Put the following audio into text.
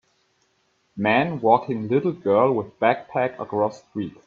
Man walking little girl with backpack across street.